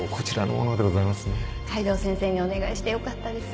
海堂先生にお願いしてよかったです。